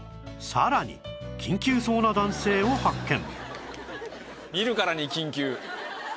さらに緊急そうな男性を発見